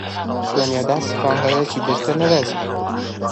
ژوند یوه داسي پانګه ده چي بیرته نه راځي.